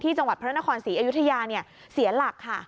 ที่จังหวัดพระรณครศรีอายุทยาเนี่ยเสียหลักค่ะ